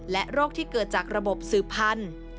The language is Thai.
โรคที่เกิดจากระบบสืบพันธุ์